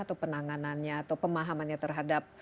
atau penanganannya atau pemahamannya terhadap